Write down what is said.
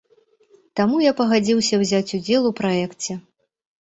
Таму я пагадзіўся ўзяць удзел у праекце.